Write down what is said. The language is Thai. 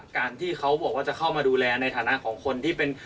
การที่เขาบอกว่าจะเข้ามาดูแลในฐานะของคนที่เป็น